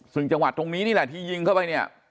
ซึ่งจังหวัดตรงนี้นี่แหละที่ยิงเข้าไปเนี่ย